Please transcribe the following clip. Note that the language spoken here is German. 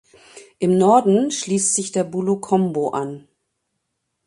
Im Norden schließt sich der Bouloukombo an.